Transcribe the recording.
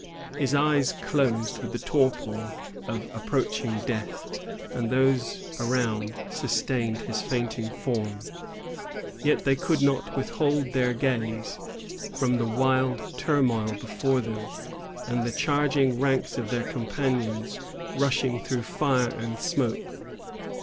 His eyes closed with the torpor of approaching death, and those around sustained his fainting form. Yet they could not withhold their gaze from the wild turmoil before them, and the charging ranks of their companions rushing through fire and smoke.